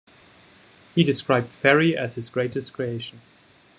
He described Ferry as "his greatest creation".